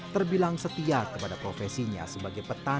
terbilang setia kepada profesinya sebagai petani